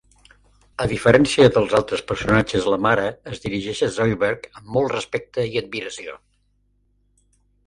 A diferència dels altres personatges, la mare es dirigeix a Zoidberg amb molt respecte i admiració.